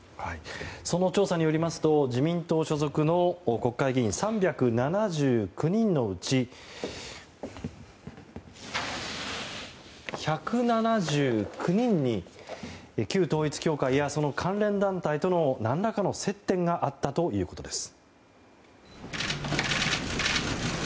その調査によりますと自民党所属の国会議員３７９人のうち１７９人に旧統一教会やその関連団体との何らかの接点があったということです。